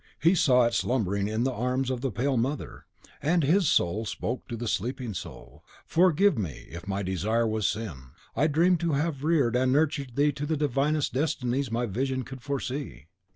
He saw it slumbering in the arms of the pale mother, and HIS soul spoke to the sleeping soul. "Forgive me, if my desire was sin; I dreamed to have reared and nurtured thee to the divinest destinies my visions could foresee.